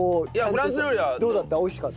どうだった？